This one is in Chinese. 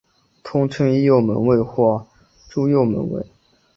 通称伊又卫门或猪右卫门。